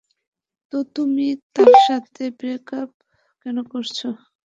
তো তুমি তার সাথে ব্রেকাপ কেন করছো?